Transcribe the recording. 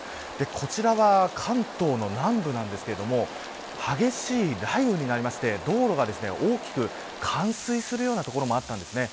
こちらは関東の南部なんですけれども激しい雷雨になりまして、道路が大きく冠水するような所もあったんですね。